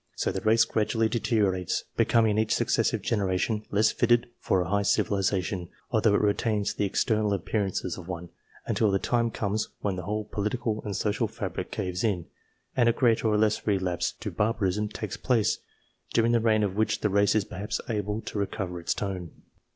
So the race gradually deteriorates, 348 THE NATURAL ABILITY OF NATIONS becoming in each successive generation less fitted for a high v/clvilization, although it retains the external appearances of ) one, until the time comes when the whole political and social fabric caves in and a greater or less relapse to bar barism takes place, during the reign of which the race is perhaps able to recover its tone.